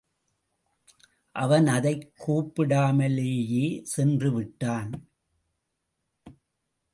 அவன் அதைக் கூப்பிடாமலேயே சென்றுவிட்டான்.